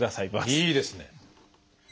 いいですね。